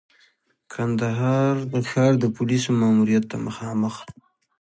کندهار د ښار د پولیسو ماموریت ته مخامخ.